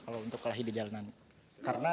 kalau untuk berbicara tentang hal ini saya tidak pernah